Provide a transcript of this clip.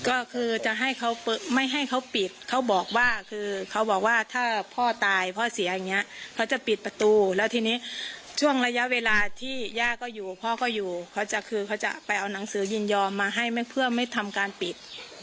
ก็คือจะให้เขาไม่ให้เขาปิดเขาบอกว่าคือเขาบอกว่าถ้าพ่อตายพ่อเสียอย่างนี้เขาจะปิดประตูแล้วทีนี้ช่วงระยะเวลาที่ย่าก็อยู่พ่อก็อยู่เขาจะคือเขาจะไปเอาหนังสือยินยอมมาให้เพื่อไม่ทำการปิด